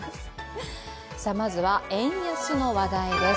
まずは円安の話題です。